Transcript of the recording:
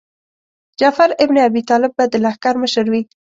جعفر ابن ابي طالب به د لښکر مشر وي.